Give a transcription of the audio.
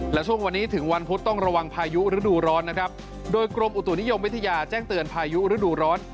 และช่วงวันนี้ถึงวันพุธต้องระวังพายุฤดูร้อนนะครับโดยกรมอุตุนิยมวิทยาแจ้งเตือนพายุฤดูร้อน